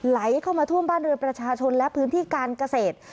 ไหลเข้ามาท่วมบ้านเรือประชาชนและพื้นที่การเกษตร